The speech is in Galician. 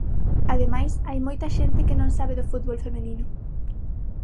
Ademais, hai moita xente que non sabe do fútbol femenino.